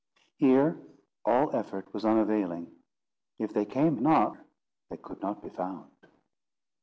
Here all effort was unavailing. If they came not, they could not be found.